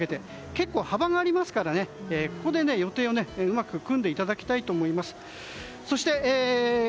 結構、幅がありますからここで予定をうまく組んでいただきたいと思います。